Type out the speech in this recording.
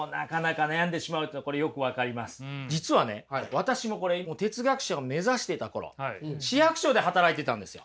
私も哲学者を目指していた頃市役所で働いてたんですよ。